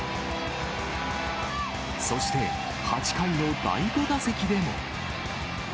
そして、８回の第５打席でも。